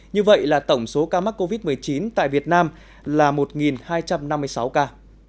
như vậy là tổng số ca mắc covid một mươi chín tại việt nam là một hai trăm năm mươi sáu ca